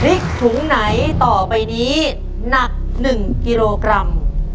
ถุงไหนต่อไปนี้หนัก๑กิโลกรัม